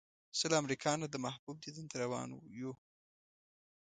زه له امریکا نه د محبوب دیدن ته روان یو.